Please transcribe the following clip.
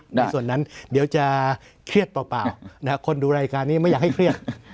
ในส่วนนั้นเดี๋ยวจะเครียดเปล่าคนดูรายการนี้ไม่อยากให้เครียด